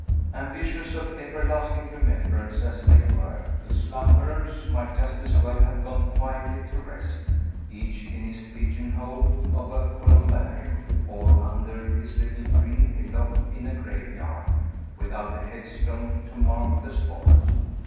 Ambitious of everlasting remembrance, as they were, the slumberers might just as well have gone quietly to rest, each in his pigeon hole of a columbarium, or under his little green hillock in a graveyard, without a headstone to mark the spot.